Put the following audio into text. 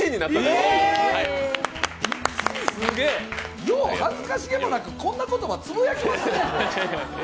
よう恥ずかしげもなく、こんな言葉つぶやけますね。